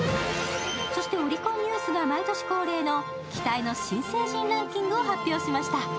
そしてオリコンニュースが毎年恒例の期待の新成人ランキングを発表しました。